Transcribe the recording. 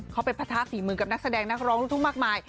เขาเป็นภาษาฝีมือกับนักแสดงนักร้องทุกมากมาย